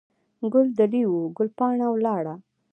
ګل دلې وو، ګل پاڼه ولاړه.